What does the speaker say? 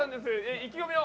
意気込みを。